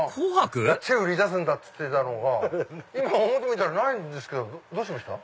売り出すんだっつってたのが今表見たらないんですけどどうしました？